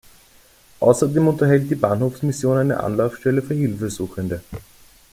Außerdem unterhält die Bahnhofsmission eine Anlaufstelle für Hilfesuchende.